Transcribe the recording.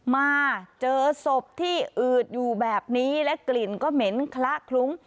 มาเจอศพที่อืดอยู่แบบนี้และกลิ่นก็เหม็นคละคลุ้ง